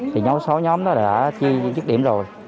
thì sáu nhóm đó đã chia chức điểm rồi